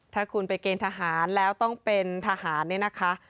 ถ้าคุณไปเกณฑ์ทหารแล้วต้องเป็นทหารเนี่ยนะคะ